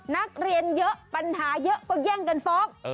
นักเรียนเยอะปัญหาเยอะก็แย่งกันฟ้อง